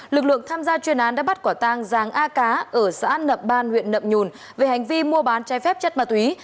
lực lượng tham gia chuyên án đã bắt quả tang giàng a cá ở xã nậm ban huyện nậm nhùn về hành vi mua bán trái phép chất ma túy